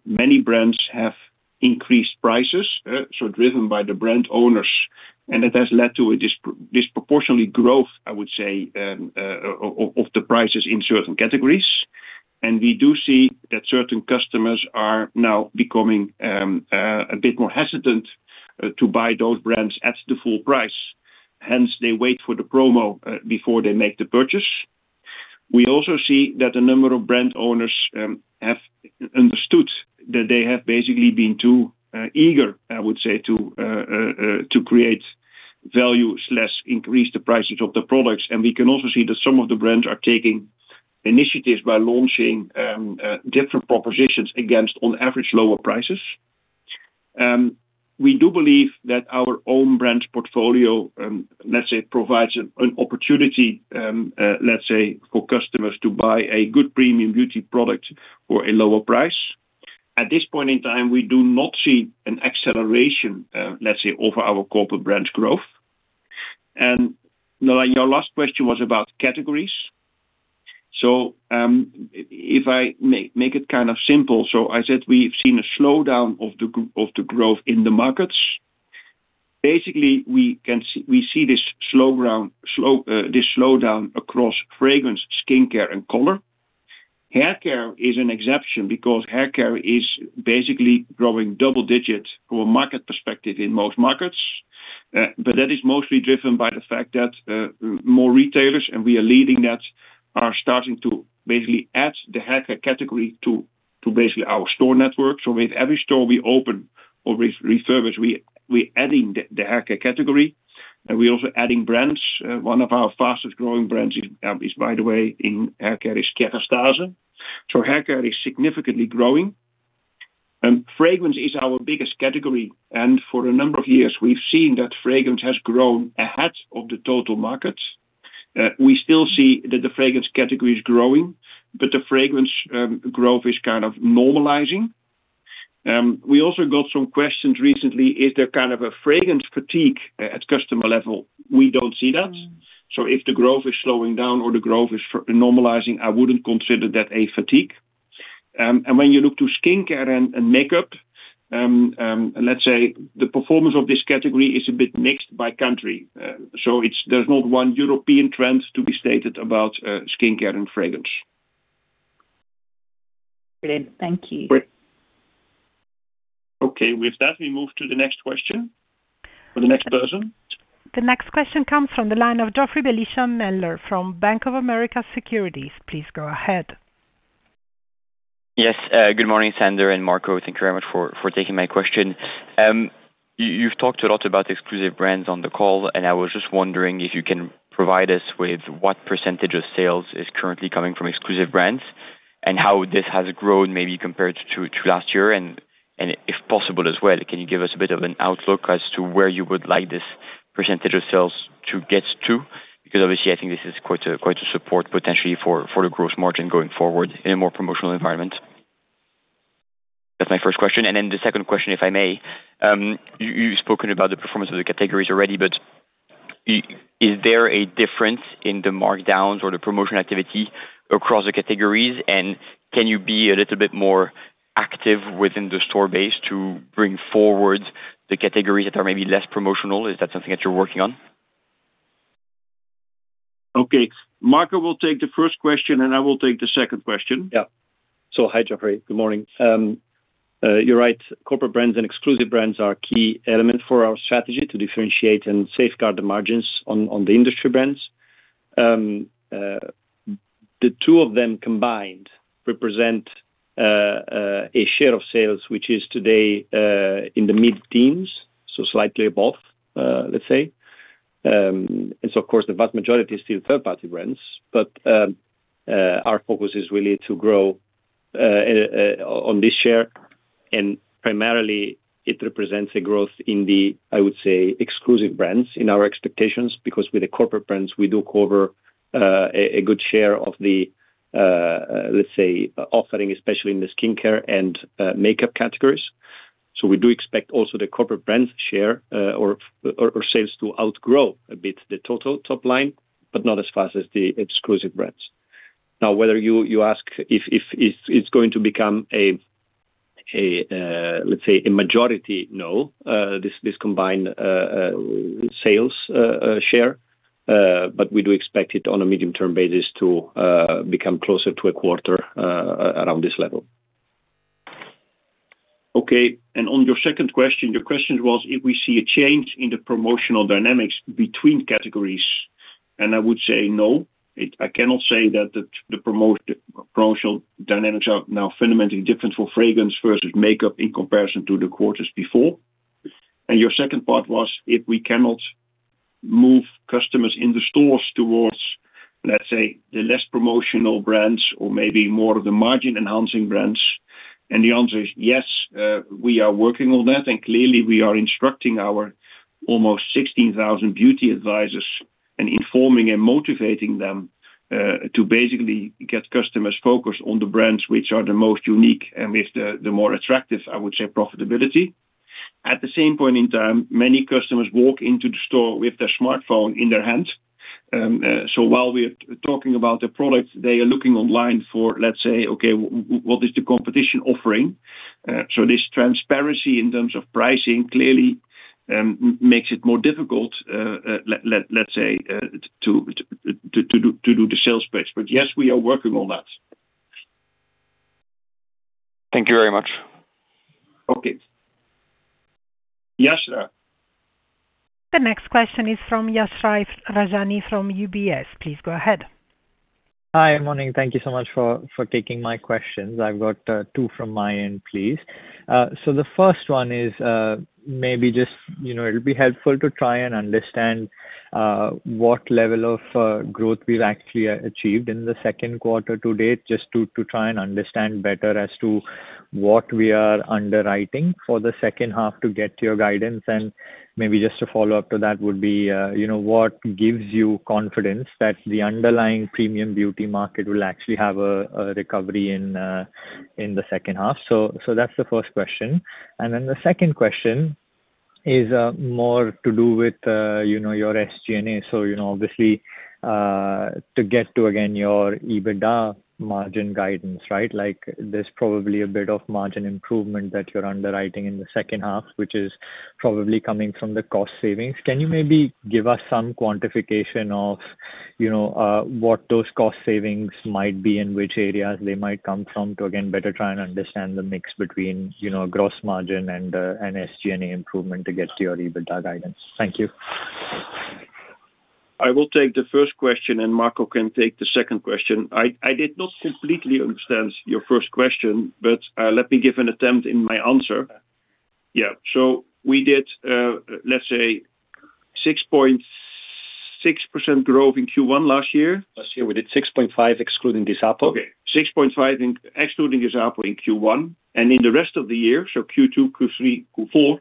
many brands have increased prices, so driven by the brand owners. And that has led to a disproportionate growth, I would say, of the prices in certain categories. And we do see that certain customers are now becoming a bit more hesitant to buy those brands at the full price. Hence, they wait for the promo before they make the purchase. We also see that a number of brand owners have understood that they have basically been too eager, I would say, to create value/increase the prices of the products. And we can also see that some of the brands are taking initiatives by launching different propositions against, on average, lower prices. We do believe that our own brand's portfolio, let's say, provides an opportunity, let's say, for customers to buy a good premium beauty product for a lower price. At this point in time, we do not see an acceleration, let's say, over our corporate brand's growth. And now, your last question was about categories. So if I make it kind of simple, so I said we've seen a slowdown of the growth in the markets. Basically, we see this slowdown across fragrance, skincare, and color. Haircare is an exception because haircare is basically growing double-digit from a market perspective in most markets. But that is mostly driven by the fact that more retailers, and we are leading that, are starting to basically add the haircare category to basically our store network. So with every store we open or refurbish, we're adding the haircare category. And we're also adding brands. One of our fastest-growing brands is, by the way, in haircare, is Kérastase. So haircare is significantly growing. Fragrance is our biggest category. And for a number of years, we've seen that fragrance has grown ahead of the total market. We still see that the fragrance category is growing, but the fragrance growth is kind of normalizing. We also got some questions recently. Is there kind of a fragrance fatigue at customer level? We don't see that. So if the growth is slowing down or the growth is normalizing, I wouldn't consider that a fatigue. And when you look to skincare and makeup, let's say, the performance of this category is a bit mixed by country. So there's not one European trend to be stated about skincare and fragrance. Brilliant. Thank you. Okay. With that, we move to the next question for the next person. The next question comes from the line of Geoffroy de Mendez from Bank of America Securities. Please go ahead. Yes. Good morning, Sandra and Marco. Thank you very much for taking my question. You've talked a lot about exclusive brands on the call, and I was just wondering if you can provide us with what percentage of sales is currently coming from exclusive brands and how this has grown maybe compared to last year and if possible as well. Can you give us a bit of an outlook as to where you would like this percentage of sales to get to? Because obviously, I think this is quite a support potentially for the gross margin going forward in a more promotional environment. That's my first question. And then the second question, if I may. You've spoken about the performance of the categories already, but is there a difference in the markdowns or the promotional activity across the categories? Can you be a little bit more active within the store base to bring forward the categories that are maybe less promotional? Is that something that you're working on? Okay. Marco will take the first question, and I will take the second question. Yeah. So hi, Geoffrey. Good morning. You're right. Corporate brands and exclusive brands are key elements for our strategy to differentiate and safeguard the margins on the industry brands. The two of them combined represent a share of sales which is today in the mid-teens, so slightly above, let's say. And so, of course, the vast majority is still third-party brands. But our focus is really to grow on this share. And primarily, it represents a growth in the, I would say, exclusive brands in our expectations because with the corporate bran ds, we do cover a good share of the, let's say, offering, especially in the skincare and makeup categories. So we do expect also the corporate brands' share or sales to outgrow a bit the total top line, but not as fast as the exclusive brands. Now, whether you ask if it's going to become a, let's say, a majority, no, this combined sales share. But we do expect it on a medium-term basis to become closer to a quarter around this level. Okay. On your second question, your question was if we see a change in the promotional dynamics between categories. I would say no. I cannot say that the promotional dynamics are now fundamentally different for fragrance versus makeup in comparison to the quarters before. Your second part was if we cannot move customers in the stores towards, let's say, the less promotional brands or maybe more of the margin-enhancing brands. The answer is yes. We are working on that. Clearly, we are instructing our almost 16,000 beauty advisors and informing and motivating them to basically get customers focused on the brands which are the most unique and with the more attractive, I would say, profitability. At the same point in time, many customers walk into the store with their smartphone in their hand. So while we are talking about the products, they are looking online for, let's say, okay, what is the competition offering? So this transparency in terms of pricing clearly makes it more difficult, let's say, to do the sales pitch. But yes, we are working on that. Thank you very much. Okay. Yashraj. The next question is from Yashraj Rajani from UBS. Please go ahead. Hi. Good morning. Thank you so much for taking my questions. I've got two from my end, please. So the first one is maybe just it'll be helpful to try and understand what level of growth we've actually achieved in the second quarter to date just to try and understand better as to what we are underwriting for the second half to get your guidance. And maybe just a follow-up to that would be what gives you confidence that the underlying premium beauty market will actually have a recovery in the second half? So that's the first question. And then the second question is more to do with your SG&A. So obviously, to get to, again, your EBITDA margin guidance, right, there's probably a bit of margin improvement that you're underwriting in the second half, which is probably coming from the cost savings. Can you maybe give us some quantification of what those cost savings might be, in which areas they might come from, too, again, better try and understand the mix between gross margin and SG&A improvement to get to your EBITDA guidance? Thank you. I will take the first question, and Marco can take the second question. I did not completely understand your first question, but let me give an attempt in my answer. Yeah. So we did, let's say, 6.6% growth in Q1 last year. Last year, we did 6.5% excluding this FX. Okay. 6.5% excluding this Disapo in Q1. And in the rest of the year, so Q2, Q3, Q4,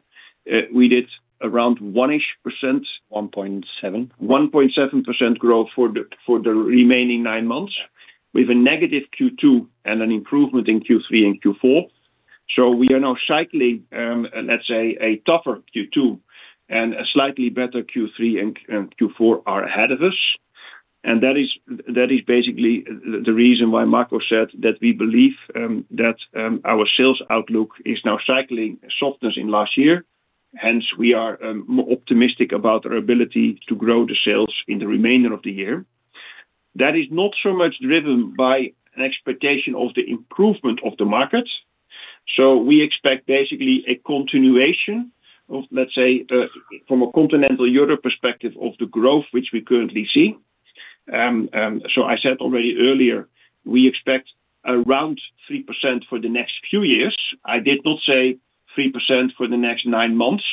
we did around 1-ish %. 1.7%. 1.7% growth for the remaining nine months with a negative Q2 and an improvement in Q3 and Q4. So we are now cycling, let's say, a tougher Q2, and a slightly better Q3 and Q4 are ahead of us. That is basically the reason why Marco said that we believe that our sales outlook is now cycling softness in last year. Hence, we are more optimistic about our ability to grow the sales in the remainder of the year. That is not so much driven by an expectation of the improvement of the market. So we expect basically a continuation of, let's say, from a Continental Europe perspective of the growth which we currently see. So I said already earlier, we expect around 3% for the next few years. I did not say 3% for the next nine months.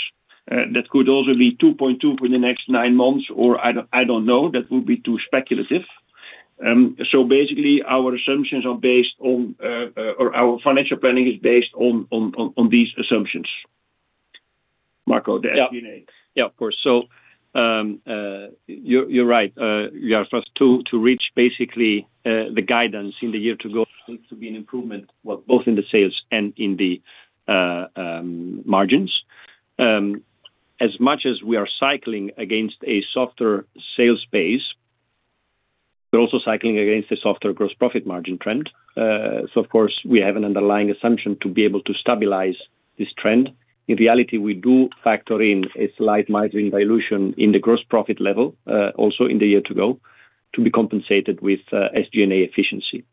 That could also be 2.2% for the next nine months, or I don't know. That would be too speculative. Basically, our assumptions are based on or our financial planning is based on these assumptions, Marco, the SG&A. Yeah. Yeah, of course. So you're right. We are. To reach basically the guidance in the year to go, there needs to be an improvement, well, both in the sales and in the margins. As much as we are cycling against a softer sales pace, we're also cycling against a softer gross profit margin trend. So, of course, we have an underlying assumption to be able to stabilize this trend. In reality, we do factor in a slight margin dilution in the gross profit level also in the year to go to be compensated with SG&A efficiency.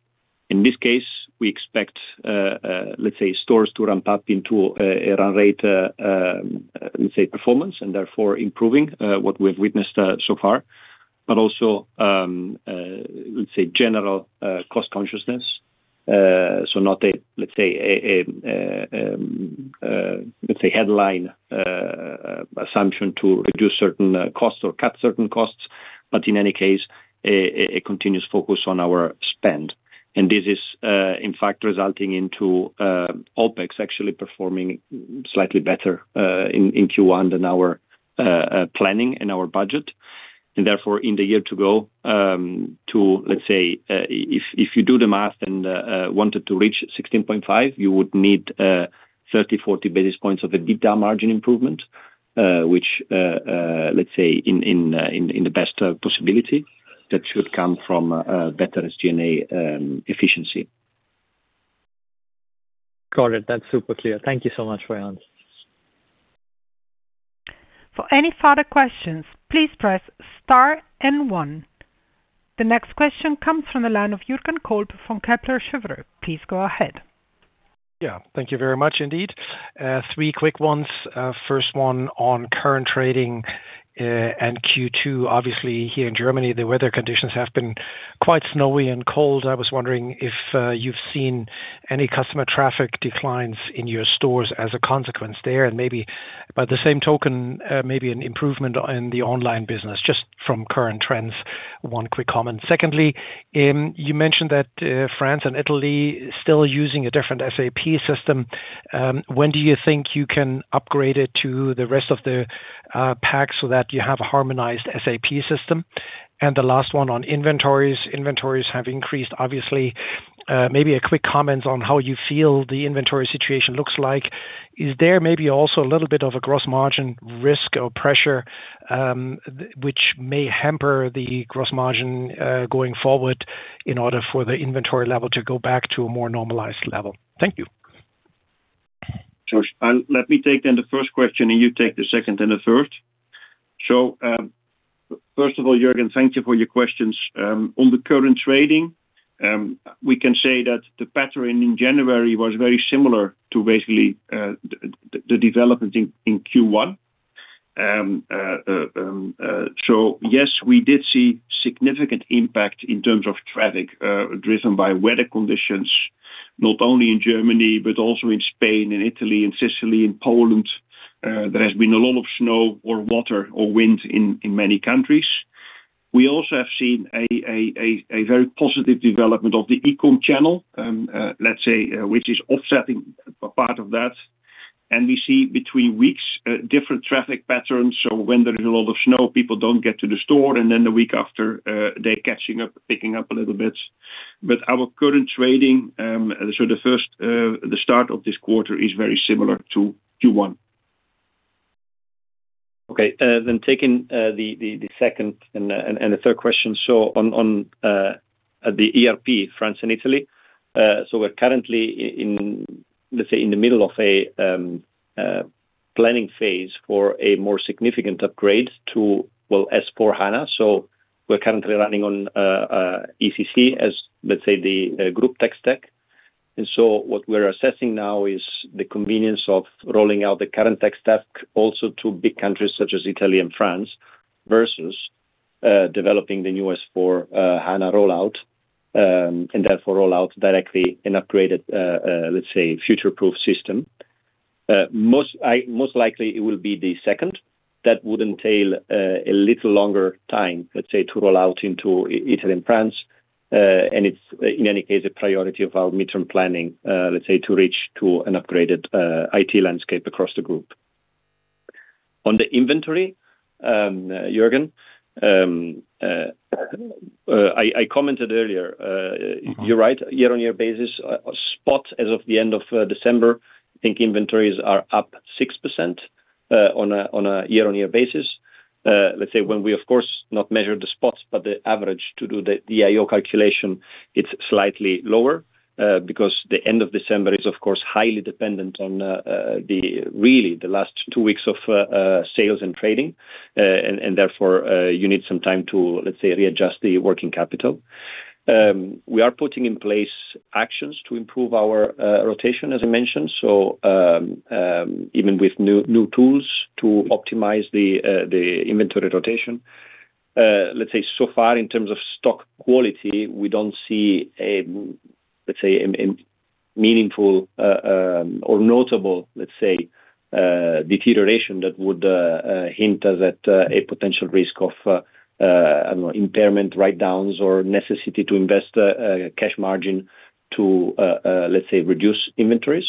In this case, we expect, let's say, stores to ramp up into a run rate, let's say, performance and therefore improving what we have witnessed so far, but also, let's say, general cost consciousness. So not a, let's say, headline assumption to reduce certain costs or cut certain costs, but in any case, a continuous focus on our spend. And this is, in fact, resulting into OpEx actually performing slightly better in Q1 than our planning and our budget. And therefore, in the year to go to, let's say, if you do the math and wanted to reach 16.5%, you would need 30-40 basis points of a EBITDA margin improvement, which, let's say, in the best possibility, that should come from better SG&A efficiency. Got it. That's super clear. Thank you so much, Rayan. For any further questions, please press star and one. The next question comes from the line of Jürgen Kolb from Kepler Cheuvreux. Please go ahead. Yeah. Thank you very much, indeed. Three quick ones. First one on current trading and Q2. Obviously, here in Germany, the weather conditions have been quite snowy and cold. I was wondering if you've seen any customer traffic declines in your stores as a consequence there. And maybe by the same token, maybe an improvement in the online business just from current trends. One quick comment. Secondly, you mentioned that France and Italy are still using a different SAP system. When do you think you can upgrade it to the rest of the pack so that you have a harmonized SAP system? And the last one on inventories. Inventories have increased, obviously. Maybe a quick comment on how you feel the inventory situation looks like. Is there maybe also a little bit of a gross margin risk or pressure which may hamper the gross margin going forward in order for the inventory level to go back to a more normalized level? Thank you. Yes, let me take then the first question, and you take the second and the first. So first of all, Jürgen, thank you for your questions. On the current trading, we can say that the pattern in January was very similar to basically the development in Q1. So yes, we did see significant impact in terms of traffic driven by weather conditions, not only in Germany, but also in Spain, in Italy, in Sicily, in Poland. There has been a lot of snow or water or wind in many countries. We also have seen a very positive development of the e-com channel, let's say, which is offsetting a part of that. And we see between weeks different traffic patterns. So when there is a lot of snow, people don't get to the store, and then the week after, they're catching up, picking up a little bit. But our current trading, so the start of this quarter, is very similar to Q1. Okay. Then taking the second and the third question. So at the ERP, France and Italy, so we're currently, let's say, in the middle of a planning phase for a more significant upgrade to, well, S/4HANA. So we're currently running on ECC as, let's say, the Group Tech Stack. And so what we're assessing now is the convenience of rolling out the current tech stack also to big countries such as Italy and France versus developing the new S/4HANA rollout and therefore rollout directly an upgraded, let's say, future-proof system. Most likely, it will be the second. That would entail a little longer time, let's say, to roll out into Italy and France. And it's, in any case, a priority of our midterm planning, let's say, to reach an upgraded IT landscape across the group. On the inventory, Jürgen, I commented earlier. You're right. Year-on-year basis, spot as of the end of December, I think inventories are up 6% on a year-on-year basis. Let's say, when we, of course, not measure the spots, but the average to do the IO calculation, it's slightly lower because the end of December is, of course, highly dependent on really the last two weeks of sales and trading. And therefore, you need some time to, let's say, readjust the working capital. We are putting in place actions to improve our rotation, as I mentioned, so even with new tools to optimize the inventory rotation. Let's say, so far in terms of stock quality, we don't see, let's say, a meaningful or notable, let's say, deterioration that would hint us at a potential risk of, I don't know, impairment, write-downs, or necessity to invest cash margin to, let's say, reduce inventories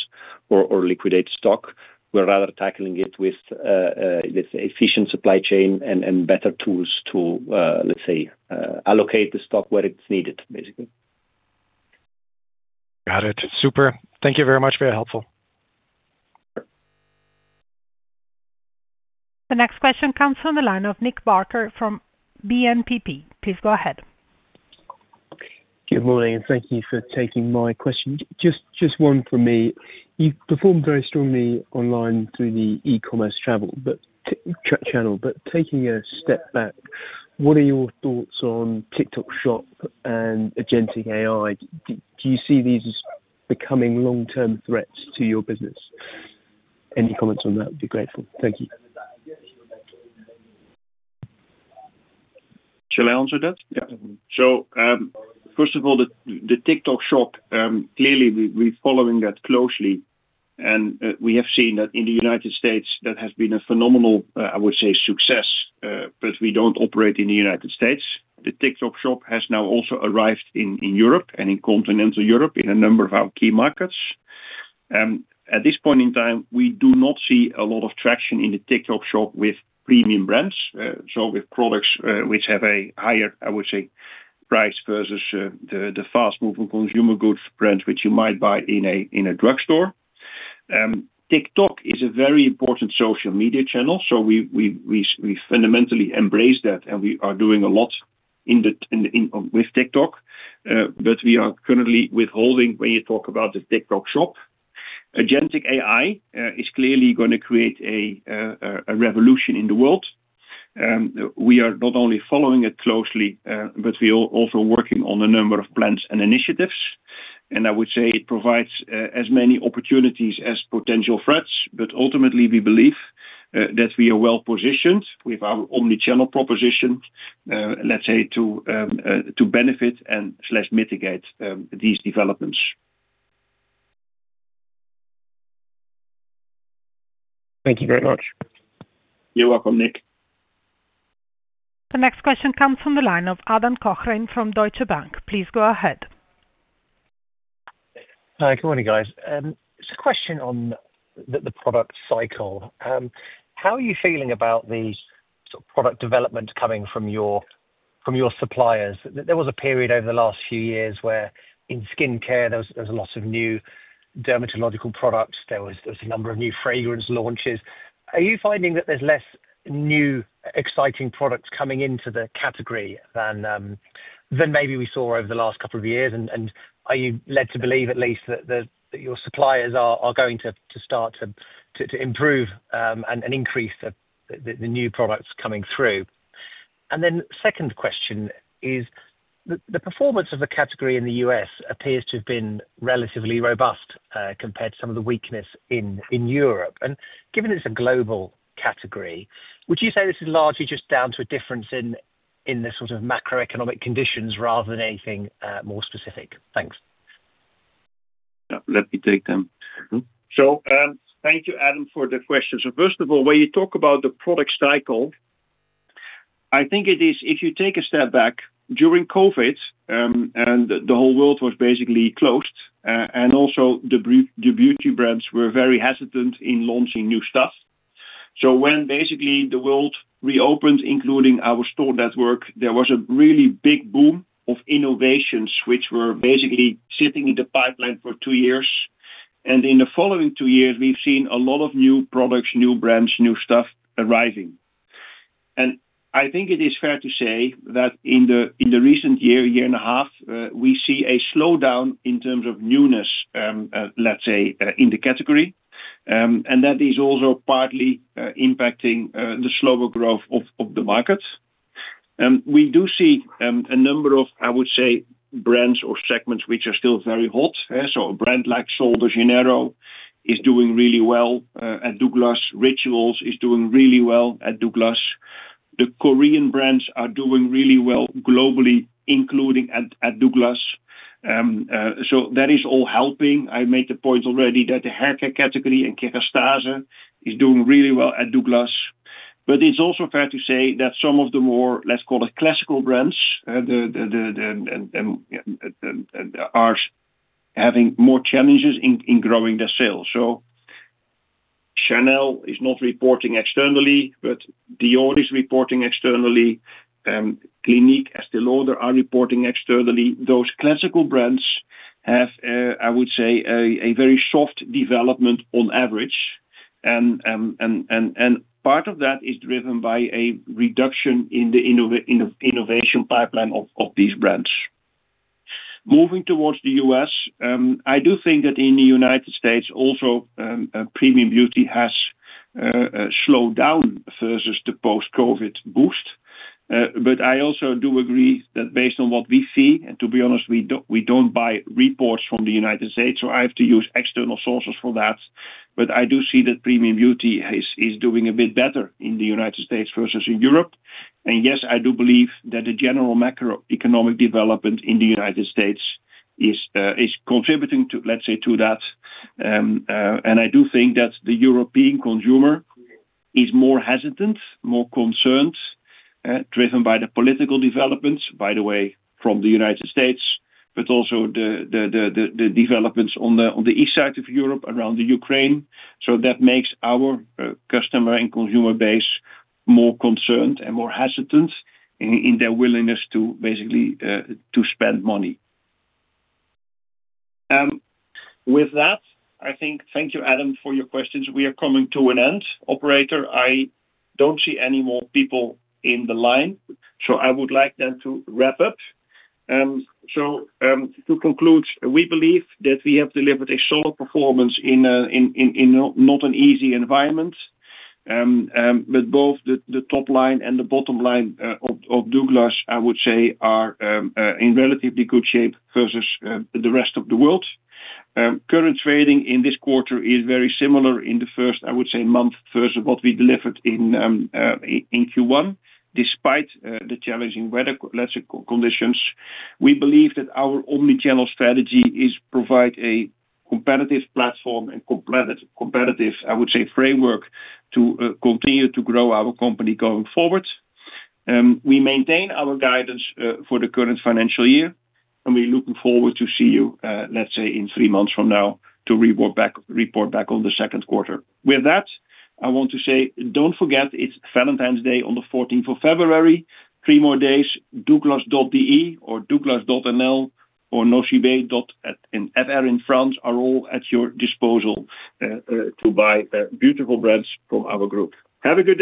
or liquidate stock. We're rather tackling it with, let's say, efficient supply chain and better tools to, let's say, allocate the stock where it's needed, basically. Got it. Super. Thank you very much. Very helpful. The next question comes from the line of Nick Barker from BNPP. Please go ahead. Good morning. Thank you for taking my question. Just one from me. You performed very strongly online through the e-commerce channel. But taking a step back, what are your thoughts on TikTok Shop and Agentic AI? Do you see these as becoming long-term threats to your business? Any comments on that would be grateful. Thank you. Shall I answer that? Yeah. First of all, the TikTok Shop, clearly, we're following that closely. We have seen that in the United States, that has been a phenomenal, I would say, success. We don't operate in the United States. The TikTok Shop has now also arrived in Europe and in Continental Europe in a number of our key markets. At this point in time, we do not see a lot of traction in the TikTok Shop with premium brands, so with products which have a higher, I would say, price versus the fast-moving consumer goods brands which you might buy in a drugstore. TikTok is a very important social media channel. We fundamentally embrace that, and we are doing a lot with TikTok. We are currently withholding when you talk about the TikTok Shop. Agentic AI is clearly going to create a revolution in the world. We are not only following it closely, but we are also working on a number of plans and initiatives. I would say it provides as many opportunities as potential threats. Ultimately, we believe that we are well positioned with our omnichannel proposition, let's say, to benefit and/or mitigate these developments. Thank you very much. You're welcome, Nick. The next question comes from the line of Adam Cochrane from Deutsche Bank. Please go ahead. Hi. Good morning, guys. It's a question on the product cycle. How are you feeling about the sort of product development coming from your suppliers? There was a period over the last few years where in skincare, there was a lot of new dermatological products. There was a number of new fragrance launches. Are you finding that there's less new, exciting products coming into the category than maybe we saw over the last couple of years? And are you led to believe, at least, that your suppliers are going to start to improve and increase the new products coming through? And then second question is, the performance of the category in the U.S. appears to have been relatively robust compared to some of the weakness in Europe. Given it's a global category, would you say this is largely just down to a difference in the sort of macroeconomic conditions rather than anything more specific? Thanks. Yeah. Let me take them. So thank you, Adam, for the questions. So first of all, when you talk about the product cycle, I think it is if you take a step back, during COVID, the whole world was basically closed. And also, the beauty brands were very hesitant in launching new stuff. So when basically the world reopened, including our store network, there was a really big boom of innovations which were basically sitting in the pipeline for two years. And in the following two years, we've seen a lot of new products, new brands, new stuff arriving. And I think it is fair to say that in the recent year, year and a half, we see a slowdown in terms of newness, let's say, in the category. And that is also partly impacting the slower growth of the market. We do see a number of, I would say, brands or segments which are still very hot. So a brand like Sol de Janeiro is doing really well at Douglas. Rituals is doing really well at Douglas. The Korean brands are doing really well globally, including at Douglas. So that is all helping. I made the point already that the hair care category and Kérastase is doing really well at Douglas. But it's also fair to say that some of the more, let's call it, classical brands are having more challenges in growing their sales. So Chanel is not reporting externally, but Dior is reporting externally. Clinique, Estée Lauder, are reporting externally. Those classical brands have, I would say, a very soft development on average. And part of that is driven by a reduction in the innovation pipeline of these brands. Moving towards the U.S., I do think that in the United States, also, premium beauty has slowed down versus the post-COVID boost. I also do agree that based on what we see and to be honest, we don't buy reports from the United States. So I have to use external sources for that. I do see that premium beauty is doing a bit better in the United States versus in Europe. And yes, I do believe that the general macroeconomic development in the United States is contributing to, let's say, to that. And I do think that the European consumer is more hesitant, more concerned, driven by the political developments, by the way, from the United States, but also the developments on the east side of Europe around Ukraine. So that makes our customer and consumer base more concerned and more hesitant in their willingness to basically spend money. With that, I think, thank you, Adam, for your questions. We are coming to an end. Operator, I don't see any more people in the line. So I would like then to wrap up. So to conclude, we believe that we have delivered a solid performance in not an easy environment. But both the top line and the bottom line of Douglas, I would say, are in relatively good shape versus the rest of the world. Current trading in this quarter is very similar in the first, I would say, month versus what we delivered in Q1 despite the challenging weather conditions. We believe that our omnichannel strategy is to provide a competitive platform and competitive, I would say, framework to continue to grow our company going forward. We maintain our guidance for the current financial year. We're looking forward to see you, let's say, in three months from now to report back on the second quarter. With that, I want to say, don't forget it's Valentine's Day on the 14th of February. 3 more days. Douglas.de or Douglas.nl or Nocibé in France are all at your disposal to buy beautiful brands from our group. Have a good day.